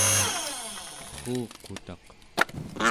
qerruqutaq